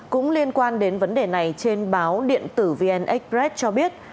cũng liên quan đến vấn đề này trên báo điện tử vn express cho biết